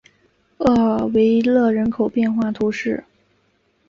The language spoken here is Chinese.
厄维勒人口变化图示